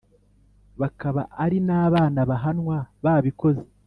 bakaba ari n abana bahanwa babikoze